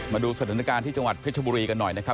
มาดูสถานการณ์ที่จังหวัดเพชรบุรีกันหน่อยนะครับ